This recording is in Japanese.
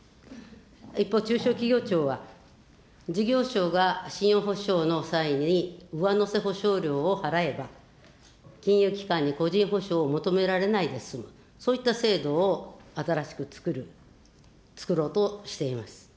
一方、中小企業庁は事業所が信用保証の際に上乗せ保証料を払えば、金融機関に個人保証を求められないで済む、そういった制度を新しく作る、作ろうとしています。